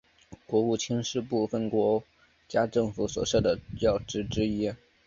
国务卿是部份国家政府所设的要职之一。